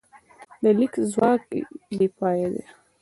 د لیک ځواک بېپایه دی.